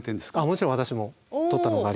もちろん私も撮ったのがあります。